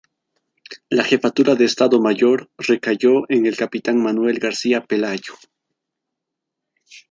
La jefatura de Estado Mayor recayó en el capitán Manuel García-Pelayo.